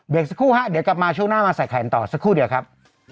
สักครู่ฮะเดี๋ยวกลับมาช่วงหน้ามาใส่ไข่กันต่อสักครู่เดียวครับ